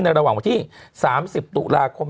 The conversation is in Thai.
ในระหว่างที่๓๐ตุลาคม